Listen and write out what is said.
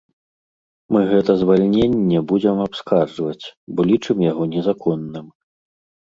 Мы гэта звальненне будзем абскарджваць, бо лічым яго незаконным.